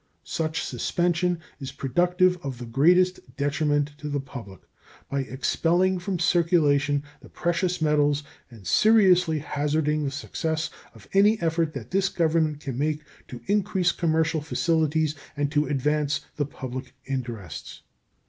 Such suspension is productive of the greatest detriment to the public by expelling from circulation the precious metals and seriously hazarding the success of any effort that this Government can make to increase commercial facilities and to advance the public interests.